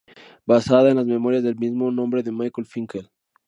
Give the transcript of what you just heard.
Basada en las memorias del mismo nombre de Michael Finkel.